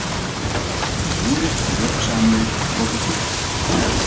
Het is moeilijk een burgersamenleving te propageren.